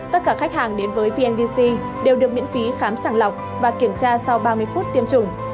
tất cả khách hàng đến với vndc đều được miễn phí khám sàng lọc và kiểm tra sau ba mươi phút tiêm chủng